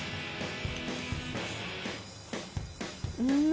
うん。